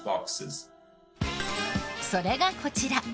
それがこちら。